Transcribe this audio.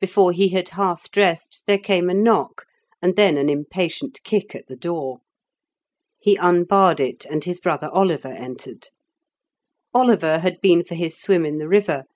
Before he had half dressed there came a knock and then an impatient kick at the door. He unbarred it, and his brother Oliver entered. Oliver had been for his swim in the river.